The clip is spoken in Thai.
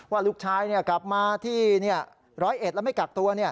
ว่าลูกชายกลับมาที่๑๐๑แล้วไม่กักตัว